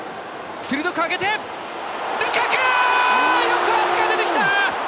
よく足が出てきた！